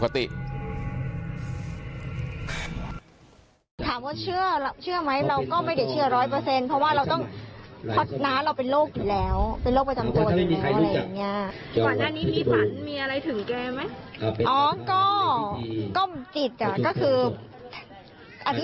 ถามว่าเชื่อไหมเราก็ไม่ได้เชื่อร้อยเปอร์เซ็นต์